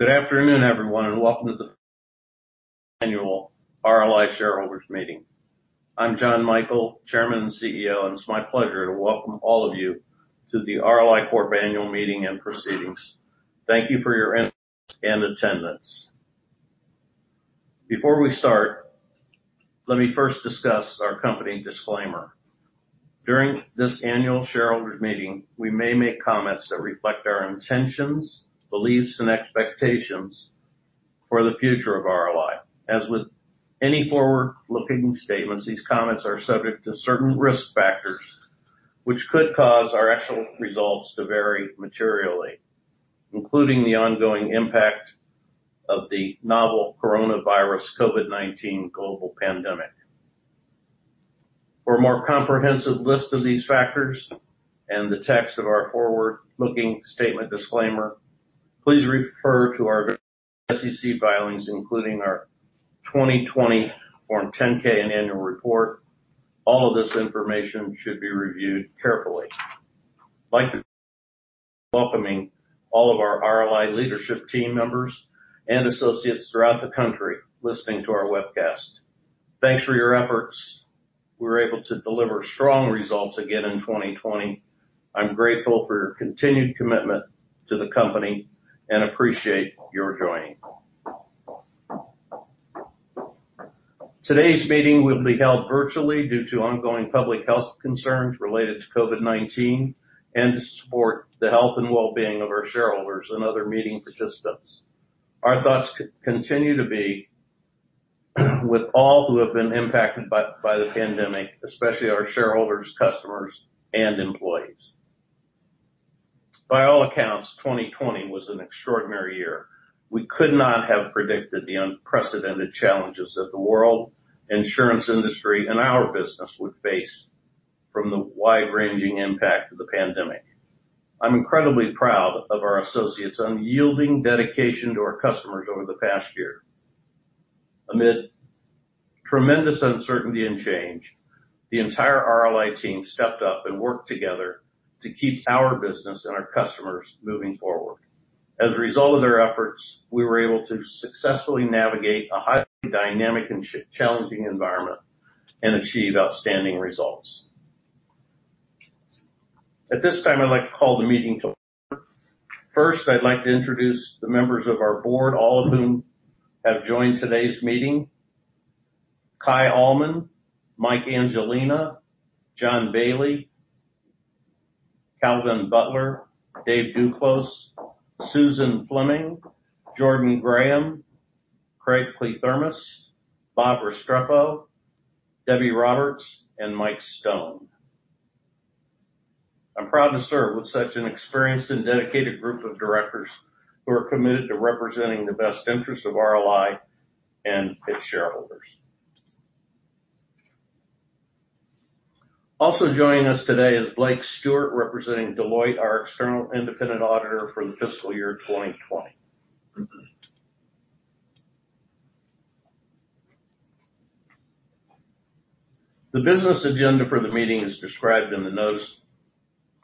Good afternoon, everyone, and welcome to the annual RLI shareholders meeting. I'm Jon Michael, Chairman and CEO, and it's my pleasure to welcome all of you to the RLI Corp annual meeting and proceedings. Thank you for your interest and attendance. Before we start, let me first discuss our company disclaimer. During this annual shareholders meeting, we may make comments that reflect our intentions, beliefs, and expectations for the future of RLI. As with any forward-looking statements, these comments are subject to certain risk factors which could cause our actual results to vary materially, including the ongoing impact of the novel coronavirus COVID-19 global pandemic. For a more comprehensive list of these factors and the text of our forward-looking statement disclaimer, please refer to our SEC filings, including our 2020 Form 10-K and annual report. All of this information should be reviewed carefully. I'd like to welcoming all of our RLI leadership team members and associates throughout the country listening to our webcast. Thanks for your efforts. We were able to deliver strong results again in 2020. I'm grateful for your continued commitment to the company and appreciate your joining. Today's meeting will be held virtually due to ongoing public health concerns related to COVID-19 and to support the health and wellbeing of our shareholders and other meeting participants. Our thoughts continue to be with all who have been impacted by the pandemic, especially our shareholders, customers, and employees. By all accounts, 2020 was an extraordinary year. We could not have predicted the unprecedented challenges that the world, insurance industry, and our business would face from the wide-ranging impact of the pandemic. I'm incredibly proud of our associates' unyielding dedication to our customers over the past year. Amid tremendous uncertainty and change, the entire RLI team stepped up and worked together to keep our business and our customers moving forward. As a result of their efforts, we were able to successfully navigate a highly dynamic and challenging environment and achieve outstanding results. At this time, I'd like to call the meeting to. I'd like to introduce the members of our board, all of whom have joined today's meeting. Kaj Ahlmann, Mike Angelina, John Baily, Calvin Butler, David Duclos, Susan Fleming, Jordan Graham, Craig Kliethermes, Rob Restrepo, Debbie Roberts, and Mike Stone. I'm proud to serve with such an experienced and dedicated group of directors who are committed to representing the best interest of RLI and its shareholders. Joining us today is Blake Stewart, representing Deloitte, our external independent auditor for the fiscal year 2020. The business agenda for the meeting is described in the notice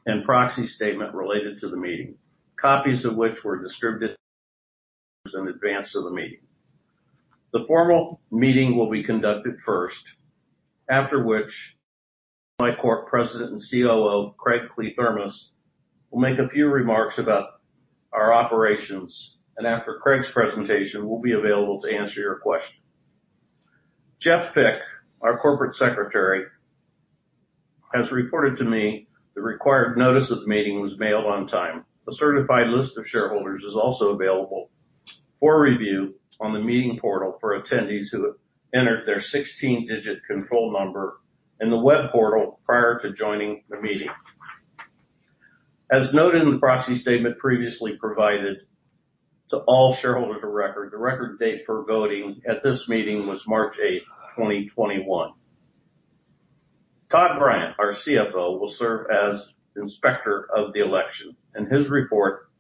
and proxy statement related to the meeting, copies of which were distributed in advance of the meeting. The formal meeting will be conducted first, after which RLI Corp. President and COO Craig Kliethermes will make a few remarks about our operations. After Craig's presentation, we'll be available to answer your questions. Jeff Fick, our Corporate Secretary, has reported to me the required notice of the meeting was mailed on time. A certified list of shareholders is also available for review on the meeting portal for attendees who have entered their 16-digit control number in the web portal prior to joining the meeting. As noted in the proxy statement previously provided to all shareholders of record, the record date for voting at this meeting was March 8th, 2021. Todd Bryant, our CFO, will serve as Inspector of the Election, and his report,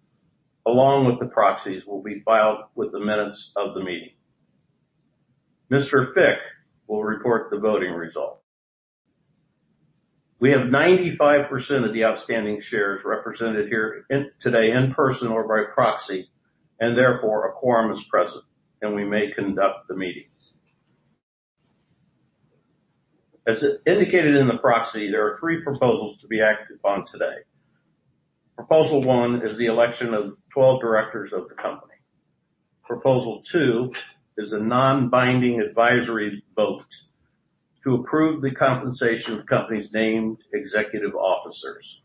along with the proxies, will be filed with the minutes of the meeting. Mr. Fick will report the voting results. We have 95% of the outstanding shares represented here today in person or by proxy, and therefore, a quorum is present, and we may conduct the meeting. As indicated in the proxy, there are three proposals to be acted upon today. Proposal 1 is the election of 12 directors of the company. Proposal 2 is a non-binding advisory vote to approve the compensation of the company's named executive officers.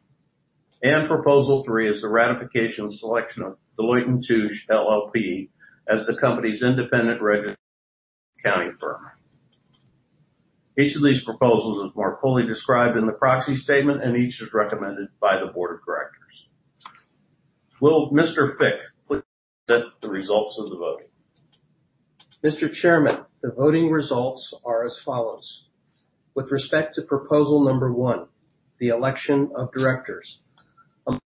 Proposal 3 is the ratification and selection of Deloitte & Touche LLP as the company's independent registered accounting firm. Each of these proposals is more fully described in the proxy statement, and each is recommended by the Board of Directors. Will Mr. Fick please present the results of the voting? Mr. Chairman, the voting results are as follows. With respect to Proposal number 1, the election of directors, a majority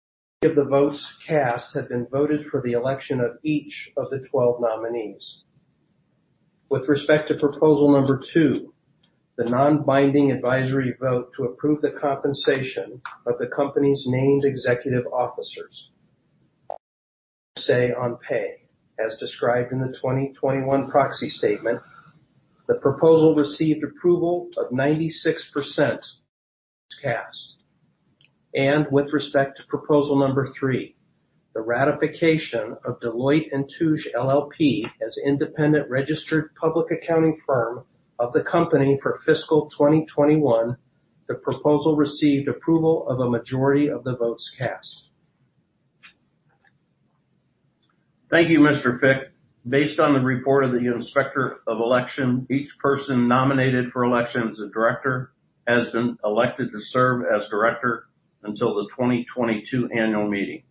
of the votes cast have been voted for the election of each of the 12 nominees. With respect to Proposal number 2, the non-binding advisory vote to approve the compensation of the company's named executive officers. Say on Pay, as described in the 2021 proxy statement. The proposal received approval of 96% votes cast. With respect to Proposal number 3, the ratification of Deloitte & Touche LLP as independent registered public accounting firm of the company for fiscal 2021, the proposal received approval of a majority of the votes cast. Thank you, Mr. Fick. Based on the report of the Inspector of Election, each person nominated for election as a director has been elected to serve as director until the 2022 annual meeting.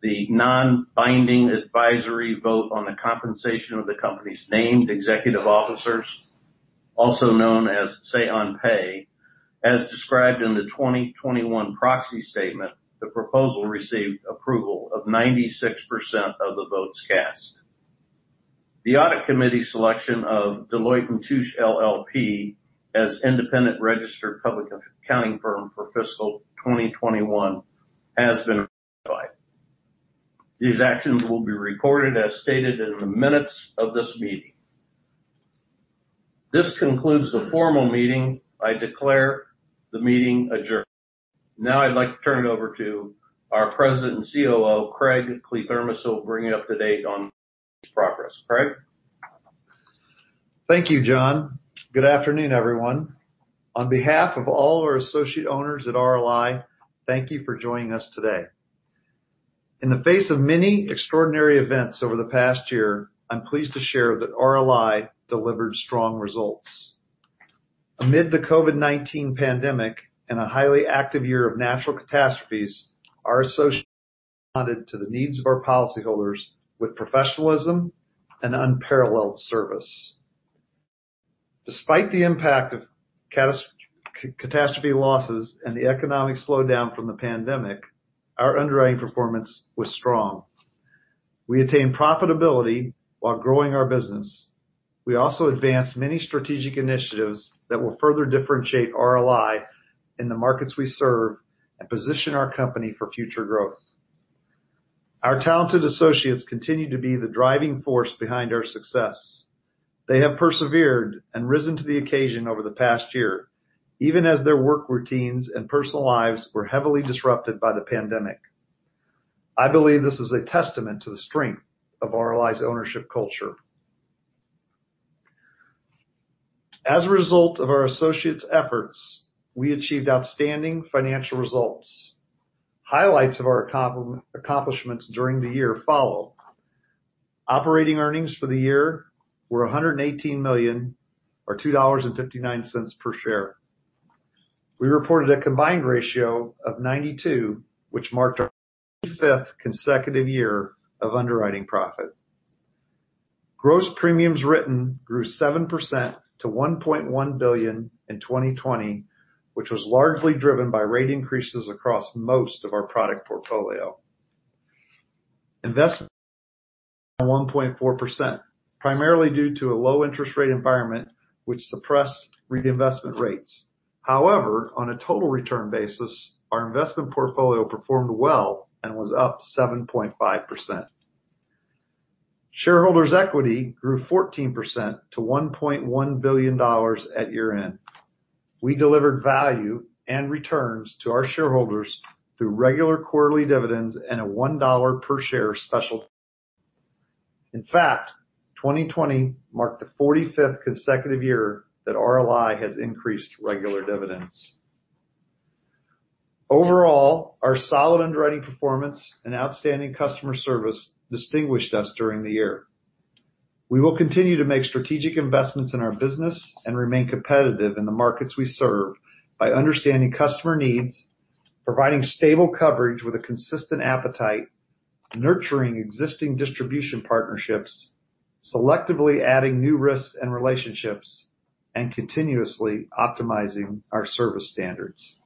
The non-binding advisory vote on the compensation of the company's named executive officers, also known as Say on Pay, as described in the 2021 proxy statement, the proposal received approval of 96% of the votes cast. The Audit Committee selection of Deloitte & Touche LLP as independent registered public accounting firm for fiscal 2021 has been ratified. These actions will be recorded as stated in the minutes of this meeting. This concludes the formal meeting, I declare the meeting adjourned. I'd like to turn it over to our President and COO, Craig Kliethermes, who will bring you up to date on progress. Craig? Thank you, Jon. Good afternoon, everyone. On behalf of all our associate owners at RLI, thank you for joining us today. In the face of many extraordinary events over the past year, I'm pleased to share that RLI delivered strong results. Amid the COVID-19 pandemic and a highly active year of natural catastrophes, our associates responded to the needs of our policyholders with professionalism and unparalleled service. Despite the impact of catastrophe losses and the economic slowdown from the pandemic, our underwriting performance was strong. We attained profitability while growing our business. We also advanced many strategic initiatives that will further differentiate RLI in the markets we serve and position our company for future growth. Our talented associates continue to be the driving force behind our success. They have persevered and risen to the occasion over the past year, even as their work routines and personal lives were heavily disrupted by the pandemic. I believe this is a testament to the strength of RLI's ownership culture. As a result of our associates' efforts, we achieved outstanding financial results. Highlights of our accomplishments during the year follow. operating earnings for the year were $118 million, or $2.59 per share. We reported a combined ratio of 92, which marked our 45th consecutive year of underwriting profit. Gross premiums written grew 7% to $1.1 billion in 2020, which was largely driven by rate increases across most of our product portfolio. Investments 1.4%, primarily due to a low interest rate environment which suppressed reinvestment rates. However, on a total return basis, our investment portfolio performed well and was up 7.5%. shareholders' equity grew 14% to $1.1 billion at year-end. We delivered value and returns to our shareholders through regular quarterly dividends and a $1 per share special. In fact, 2020 marked the 45th consecutive year that RLI has increased regular dividends. Overall, our solid underwriting performance and outstanding customer service distinguished us during the year. We will continue to make strategic investments in our business and remain competitive in the markets we serve by understanding customer needs, providing stable coverage with a consistent appetite, nurturing existing distribution partnerships, selectively adding new risks and relationships, and continuously optimizing our service standards.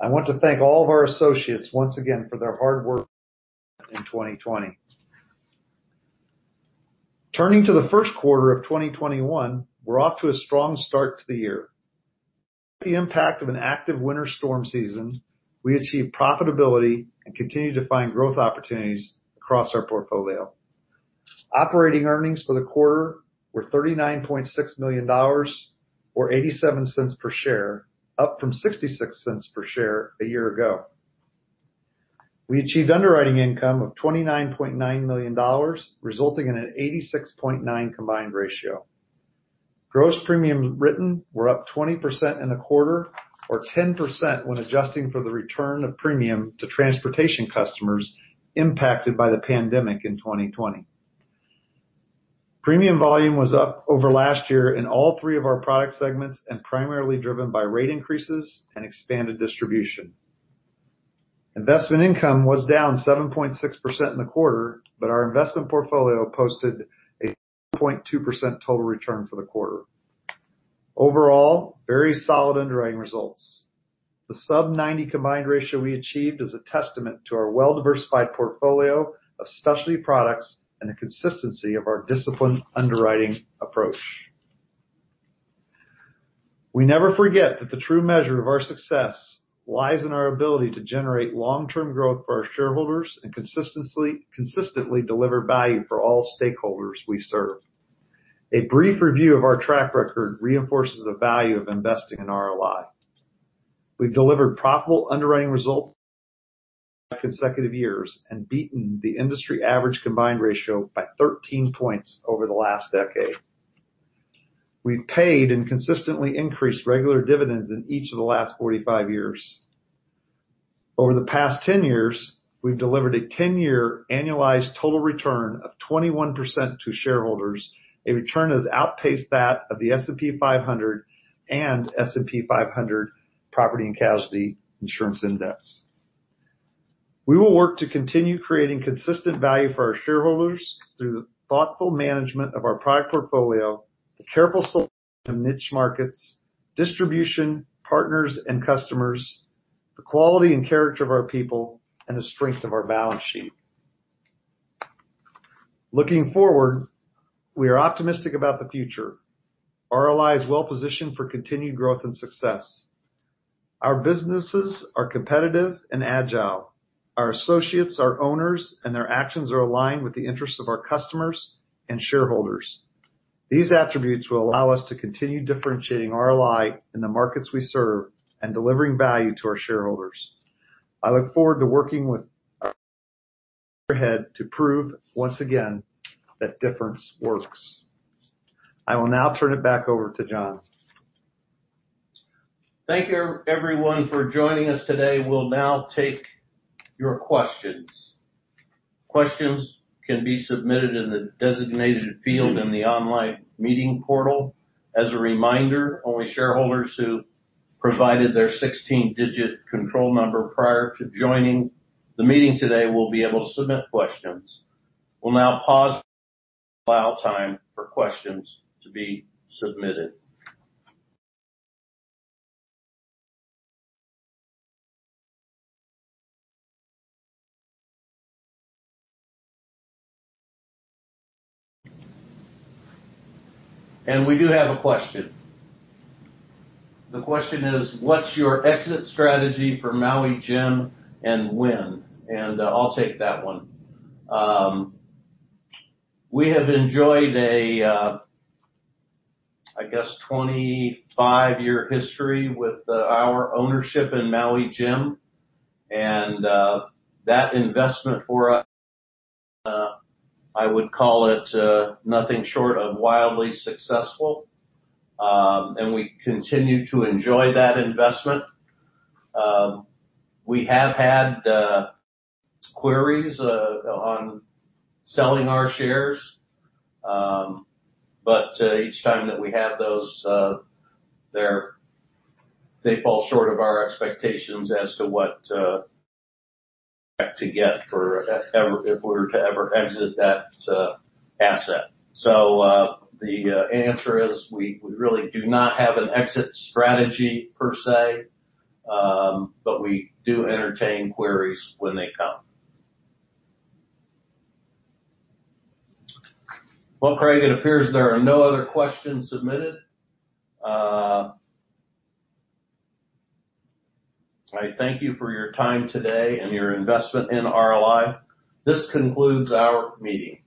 I want to thank all of our associates once again for their hard work in 2020. Turning to the first quarter of 2021, we're off to a strong start to the year. The impact of an active winter storm season, we achieved profitability and continue to find growth opportunities across our portfolio. Operating earnings for the quarter were $39.6 million, or $0.87 per share, up from $0.66 per share a year ago. We achieved underwriting income of $29.9 million, resulting in an 86.9 combined ratio. Gross premiums written were up 20% in the quarter, or 10% when adjusting for the return of premium to transportation customers impacted by the pandemic in 2020. Premium volume was up over last year in all three of our product segments and primarily driven by rate increases and expanded distribution. Investment income was down 7.6% in the quarter. Our investment portfolio posted a 0.2% total return for the quarter. Overall, very solid underwriting results. The sub-90 combined ratio we achieved is a testament to our well-diversified portfolio of specialty products and the consistency of our disciplined underwriting approach. We never forget that the true measure of our success lies in our ability to generate long-term growth for our shareholders and consistently deliver value for all stakeholders we serve. A brief review of our track record reinforces the value of investing in RLI. We've delivered profitable underwriting results consecutive years and beaten the industry average combined ratio by 13 points over the last decade. We've paid and consistently increased regular dividends in each of the last 45 years. Over the past 10 years, we've delivered a 10-year annualized total return of 21% to shareholders. A return has outpaced that of the S&P 500 and S&P 500 property and casualty insurance index. We will work to continue creating consistent value for our shareholders through the thoughtful management of our product portfolio, the careful niche markets, distribution partners and customers, the quality and character of our people, and the strength of our balance sheet. Looking forward, we are optimistic about the future. RLI is well-positioned for continued growth and success. Our businesses are competitive and agile. Our associates are owners, and their actions are aligned with the interests of our customers and shareholders. These attributes will allow us to continue differentiating RLI in the markets we serve and delivering value to our shareholders. I look forward to working with our head to prove once again that difference works. I will now turn it back over to Jon. Thank you everyone for joining us today. We'll now take your questions. Questions can be submitted in the designated field in the online meeting portal. As a reminder, only shareholders who provided their 16-digit control number prior to joining the meeting today will be able to submit questions. We'll now pause time for questions to be submitted. We do have a question. The question is, what's your exit strategy for Maui Jim and when? I'll take that one. We have enjoyed a, I guess, 25-year history with our ownership in Maui Jim, and that investment for us, I would call it nothing short of wildly successful. We continue to enjoy that investment. We have had queries on selling our shares. Each time that we have those, they fall short of our expectations as to what to get if we were to ever exit that asset. The answer is we really do not have an exit strategy per se. We do entertain queries when they come. Well, Craig, it appears there are no other questions submitted. I thank you for your time today and your investment in RLI. This concludes our meeting.